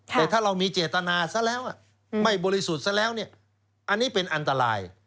แต่ถ้าเรามีเจตนาซะแล้วไม่บริสุทธิ์ซะแล้วเนี่ยอันนี้เป็นอันตราย